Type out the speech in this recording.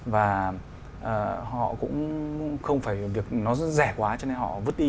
và họ cũng không phải việc nó rẻ quá cho nên họ vứt đi